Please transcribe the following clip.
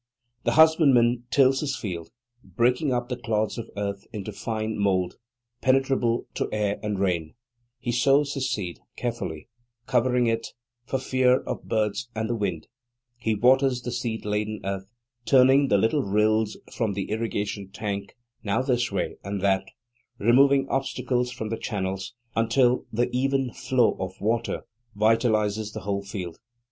The husbandman tills his field, breaking up the clods of earth into fine mould, penetrable to air and rain; he sows his seed, carefully covering it, for fear of birds and the wind; he waters the seed laden earth, turning the little rills from the irrigation tank now this way and that, removing obstacles from the channels, until the even How of water vitalizes the whole field.